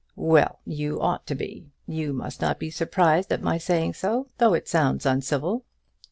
"Well; you ought to be. You must not be surprised at my saying so, though it sounds uncivil.